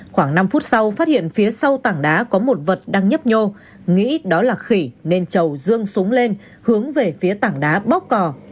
khoảng năm phút sau phát hiện phía sau tảng đá có một vật đang nhấp nhô nghĩ đó là khỉ nên trầu riêng súng lên hướng về phía tảng đá bóc cò